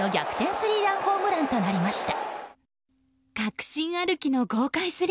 スリーランホームランとなりました。